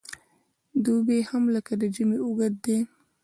دوبی هم لکه ژمی اوږد دی .